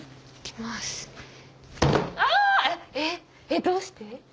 えっどうして？